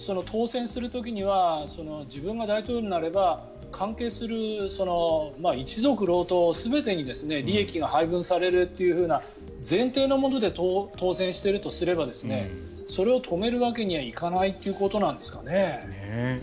当選する時には自分が大統領になれば関係する一族郎党全てに利益が配分されるという前提のもとで当選しているとすればそれを止めるわけにはいかないということなんですかね。